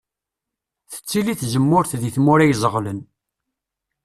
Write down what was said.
Tettili tzemmurt deg tmura izeɣlen.